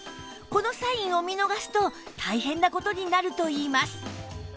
このサインを見逃すと大変な事になるといいます